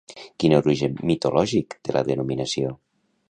Quin origen mitològic té la denominació?